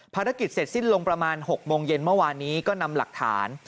ภารกิจเสร็จสิ้นลงประมาณ๖โมงเย็นเมื่อวานนี้ก็นำหลักฐาน